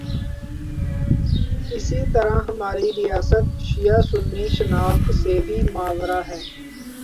اسی طرح ہماری ریاست شیعہ سنی شناخت سے بھی ماورا ہے۔